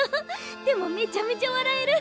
でもめちゃめちゃ笑える。